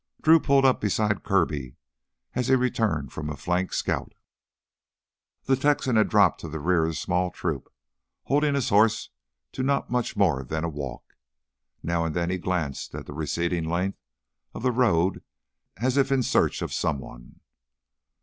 Drew pulled up beside Kirby as he returned from a flank scout. The Texan had dropped to the rear of the small troop, holding his horse to not much more than a walk. Now and then he glanced to the receding length of the road as if in search of someone.